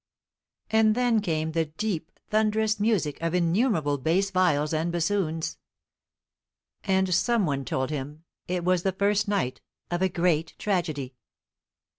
And then came the deep thunderous music of innumerable bass viols and bassoons: and some one told him it was the first night of a great tragedy.